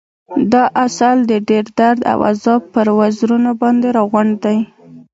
دا عسل د ډېر درد او عذاب پر وزرونو باندې راغونډ دی.